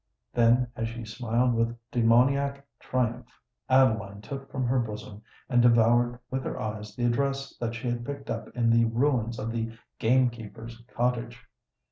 Then, as she smiled with demoniac triumph, Adeline took from her bosom and devoured with her eyes the address that she had picked up in the ruins of the gamekeeper's cottage.